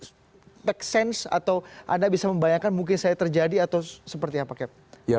experience atau anda bisa membayangkan mungkin saya terjadi atau seperti apa keb